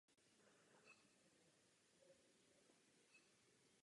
Husitské hnutí skončilo porážkou radikálních husitů v bitvě u Lipan.